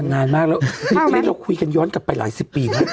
มันนานมากแล้วเราคุยกันย้อนกลับไปหลายสิบปี